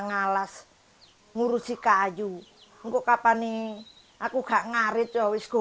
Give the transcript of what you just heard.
nek kalau perhatian saya nggak alas tambah ke yowanku